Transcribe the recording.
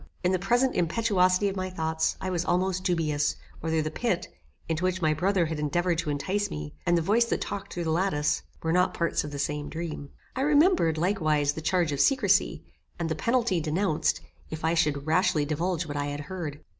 In the present impetuosity of my thoughts, I was almost dubious, whether the pit, into which my brother had endeavoured to entice me, and the voice that talked through the lattice, were not parts of the same dream. I remembered, likewise, the charge of secrecy, and the penalty denounced, if I should rashly divulge what I had heard.